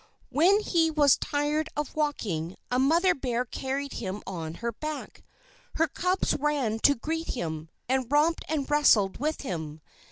When he was tired of walking, a mother bear carried him on her back. Her cubs ran to greet him, and romped and wrestled with him.